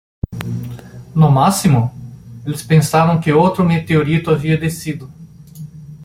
No máximo?, eles pensaram que outro meteorito havia descido.